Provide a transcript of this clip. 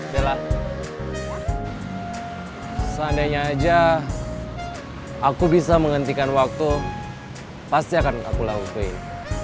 bella seandainya aja aku bisa menghentikan waktu pasti akan aku lakukan